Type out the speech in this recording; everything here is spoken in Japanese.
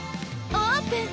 オープン！